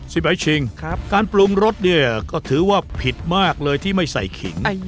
ไปชิงครับการปรุงรสเนี่ยก็ถือว่าผิดมากเลยที่ไม่ใส่ขิง